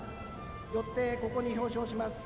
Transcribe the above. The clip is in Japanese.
よってここに表彰します。